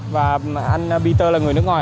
và anh peter là người nước ngoài